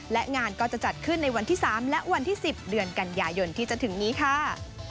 และงานก็จะจัดขึ้นในวันที่๓และวันที่๑๐เดือนกันยายนที่จะถึงนี้ค่ะ